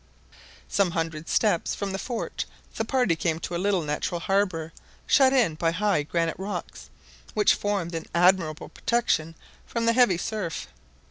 Some hundred steps from the fort the party came to a little natural harbour shut in by high granite rocks, which formed an admirable protection from the heavy surf.